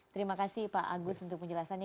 terima kasih pak agus untuk penjelasannya